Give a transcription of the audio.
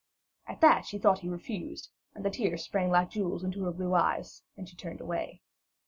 At that she thought he refused, and the tears sprang like jewels into her blue eyes, and she turned away.